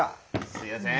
すいません。